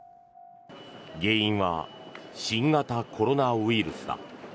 原因は新型コロナウイルスだ。